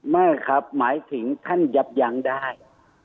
ไม่ครับหมายถึงท่านยับยั้งได้